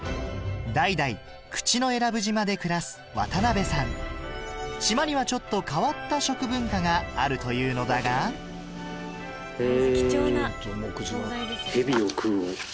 代々口永良部島で暮らすワタナベさん島にはちょっと変わった食文化があるというのだがへぇ。